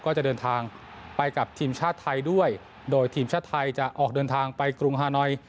ก็จะเดินทางไปกับทีมชาติไทยด้วยโดยทีมชาติไทยจะออกเดินทางไปกรุงฮานอย